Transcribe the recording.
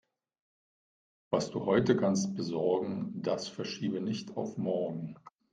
Was du heute kannst besorgen, das verschiebe nicht auf morgen.